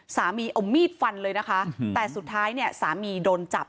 สามีเอามีดฟันเลยนะคะแต่สุดท้ายเนี่ยสามีโดนจับ